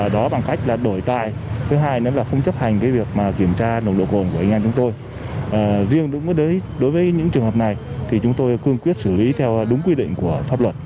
đối với những trường hợp này chúng tôi cương quyết xử lý theo đúng quy định của pháp luật